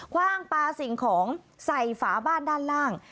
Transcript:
ว่างปลาสิ่งของใส่ฝาบ้านด้านล่าง